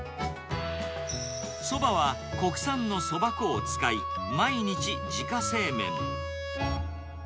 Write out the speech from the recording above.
そばは国産のそば粉を使い、毎日自家製麺。